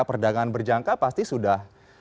perdagangan berjangka pasti sudah